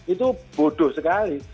itu bodoh sekali